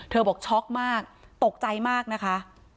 บอกช็อกมากตกใจมากนะคะ